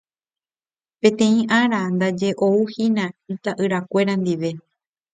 Peteĩ ára ndaje oúhina ita'yrakuéra ndive